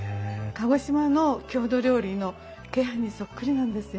鹿児島の郷土料理の鶏飯にそっくりなんですよ。